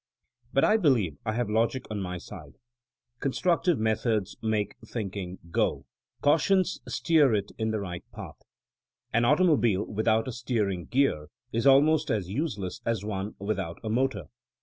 But I believe I have logic on my side. Constructive methods make thinking '*go'^; cautions steer it in the right path. An automo bile without a steering gear is almost as useless as one without a motor.